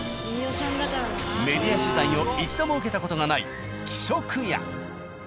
メディア取材を一度も受けた事がない「喜食家」。